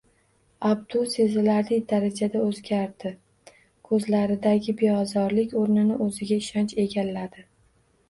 Abdu sezilarli darajada o`zgardi, ko`zlaridagi beozorlik o`rnini o`ziga ishonch egalladi